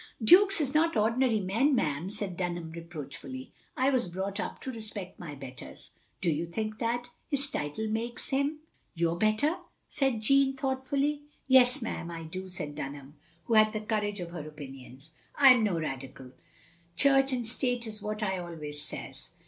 "Dukes is not ordinary men, ma'am," said Dunham reproachfully, " I was brought up to respect my betters. " i "Do you think that — ^his title makes him — your better?" said Jeanne, thoughtfully. "Yes, ma*am, I do," said Dunham, who had the courage of her opinions. " I 'm no Radical. Church and State is what I always says.